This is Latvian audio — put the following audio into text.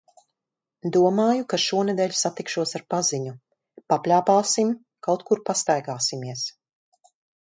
Domāju, ka šonedēļ satikšos ar paziņu. Papļāpāsim, kaut kur pastaigāsimies.